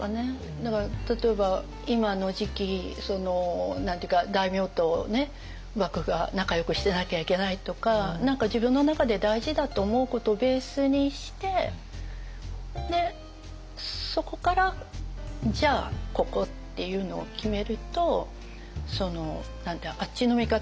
だから例えば今の時期何て言うか大名とね幕府が仲よくしてなきゃいけないとか何か自分の中で大事だと思うことをベースにしてでそこからじゃあここっていうのを決めるとあっちの味方